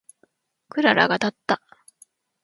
クララがたった。